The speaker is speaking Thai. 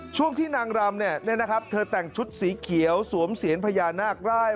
ช่วงที่นางรำเธอแต่งชุดสีเขียวสวมเสียญพญานาคร่าย